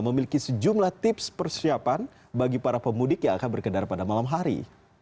memiliki sejumlah tips persiapan bagi para pemudik yang akan berkendara pada malam hari